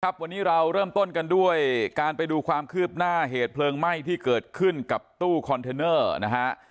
วันนี้เราเริ่มต้นกันด้วยการไปดูความคืบหน้าเหตุเพลิงไหม้ที่เกิดขึ้นกับตู้คอนเทนเนอร์นะฮะ